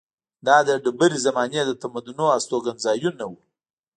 دا د ډبرې زمانې د تمدنونو استوګنځایونه وو.